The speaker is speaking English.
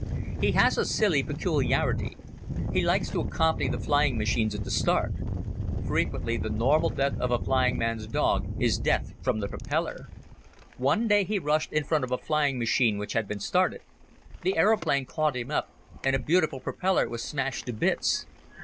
He has a silly peculiarity. He likes to accompany the flying machines at the start. Frequently the normal death of a flying man's dog is death from the propeller. One day he rushed in front of a flying machine which had been started. The aeroplane caught him up and a beautiful propeller was smashed to bits.